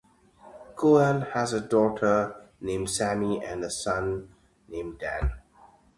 Cohn has a daughter named Sammy and a son named Dan.